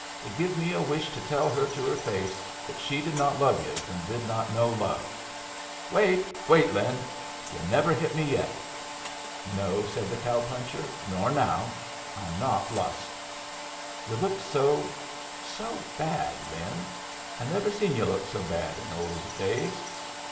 It give me a wish to tell her to her face that she did not love yus and did not know love. Wait wait, Lin! Yu' never hit me yet." "No," said the cow puncher. "Nor now. I'm not Lusk." "Yu' looked so so bad, Lin. I never seen yu' look so bad in old days.